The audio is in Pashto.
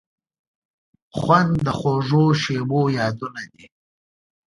خوند د خوږو شیبو یادونه دي.